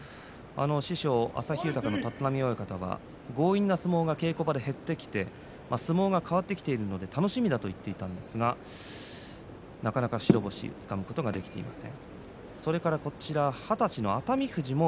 師匠、旭豊の立浪親方は強引な相撲が稽古場で減ってきて相撲が変わってきているので楽しみだという話をしていましたがなかなか白星をつかむことができません。